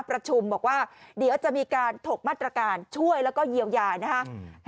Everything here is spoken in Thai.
ประชุมบอกว่าเดี๋ยวจะมีการถกมาตรการช่วยแล้วก็เยียวยานะครับ